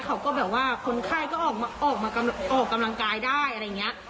เขาก็แบบว่าคนไข้ก็ออกมาออกกำลังกายได้อะไรอย่างนี้